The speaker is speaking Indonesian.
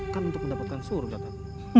kan untuk mendapatkan surga tat